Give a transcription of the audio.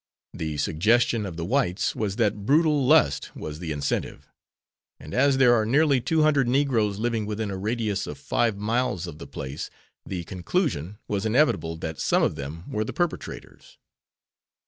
The suggestion of the whites was that "brutal lust was the incentive, and as there are nearly 200 Negroes living within a radius of five miles of the place the conclusion was inevitable that some of them were the perpetrators."